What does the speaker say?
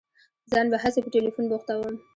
ځان به هسي په ټېلفون بوختوم.